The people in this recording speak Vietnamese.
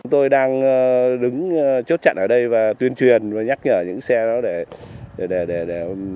tôi đang đứng chốt chặn ở đây và tuyên truyền và nhắc nhở những xe đó để